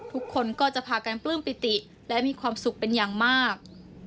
ทุกคนก็จะพากันปลื้มปิติและมีความสุขเป็นอย่างมาก